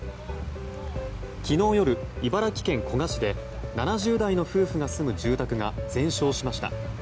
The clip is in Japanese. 昨日夜、茨城県古河市で７０代の夫婦が住む住宅が全焼しました。